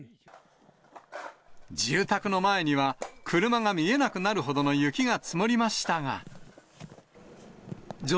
住宅の前には、車が見えなくなるほどの雪が積もりましたが。